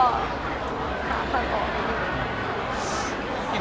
หาพันธุ์ออกไปดีกว่า